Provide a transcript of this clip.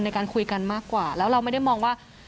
ในการคุยกันมากกว่าแล้วเราไม่ได้มองว่า